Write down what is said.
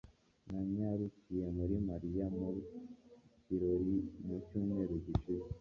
Nanyarukiye muri Mariya mu kirori mu cyumweru gishize.